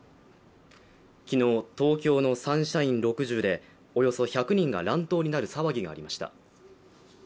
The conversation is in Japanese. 昨日、東京のサンシャイン６０でおよそ１００人が乱闘になる騒ぎがありました。